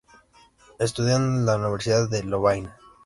Estudió en la Universidad de Lovaina.